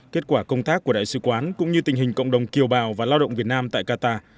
kết quả công tác của đại sứ quán cũng như tình hình cộng đồng kiều bào và lao động việt nam tại qatar